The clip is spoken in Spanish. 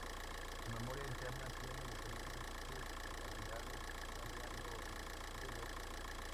Su memoria interna tiene diferentes capacidades variando el modelo.